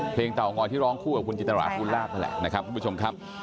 เตางอยที่ร้องคู่กับคุณจิตราภูลลาบนั่นแหละนะครับคุณผู้ชมครับ